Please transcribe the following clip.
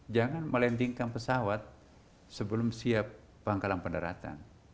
jangan melandingkan pesawat sebelum siap pangkalan penderatan